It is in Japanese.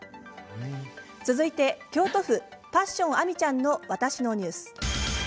続いて、京都府パッションあみちゃんの「わたしのニュース」。